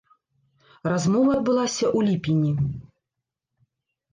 Размова адбылася ў ліпені.